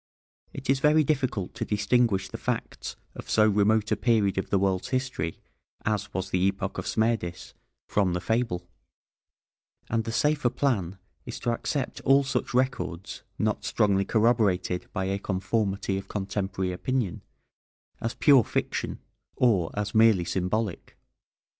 It is very difficult to distinguish the facts of so remote a period of the world's history as was the epoch of Smerdis from the fable, and the safer plan is to accept all such records, not strongly corroborated by a conformity of contemporary opinion, as pure fiction, or as merely symbolic.